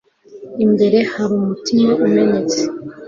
imbere hari umutima umenetse